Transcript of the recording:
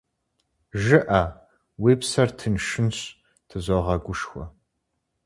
- ЖыӀэ, уи псэр тыншынщ,- тызогъэгушхуэ.